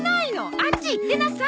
あっち行ってなさい！